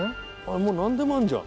もうなんでもあるじゃん。